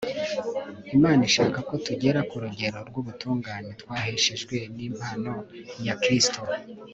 imana ishaka ko tugera ku rugero rw'ubutungane twaheshejwe n'impano ya kristo